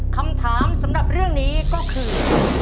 คำถามสำหรับเรื่องนี้ก็คือ